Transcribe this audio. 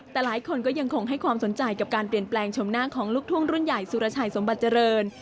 แต่หลายคนก็ยังคงให้ความสนใจกับการเปลี่ยนแปลงชมหน้าของลูกทุ่งรุ่นใหญ่สุรชัยสมบัติเจริญ